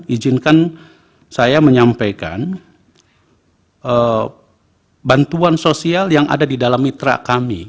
izinkan saya menyampaikan bantuan sosial yang ada di dalam mitra kami